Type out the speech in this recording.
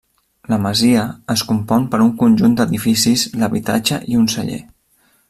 La masia es compon per un conjunt d'edificis, l'habitatge i un celler.